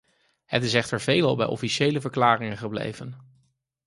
Het is echter veelal bij officiële verklaringen gebleven.